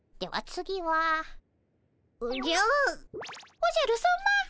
おじゃるさま？